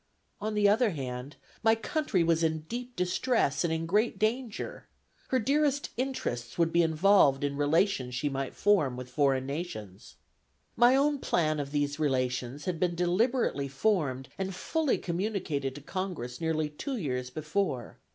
... On the other hand, my country was in deep distress and in great danger. Her dearest interests would be involved in the relations she might form with foreign nations. My own plan of these relations had been deliberately formed and fully communicated to Congress nearly two years before.